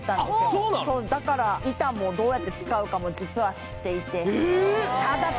そうだから板もどうやって使うかも実は知っていてえっ！？